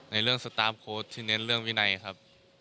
ในเรื่องสตาร์ฟโค้ดที่เน้นเรื่องวินัยครับ